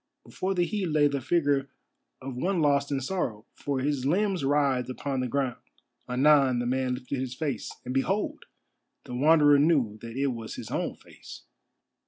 Before the heap lay the figure of one lost in sorrow, for his limbs writhed upon the ground. Anon the man lifted his face, and behold! the Wanderer knew that it was his own face.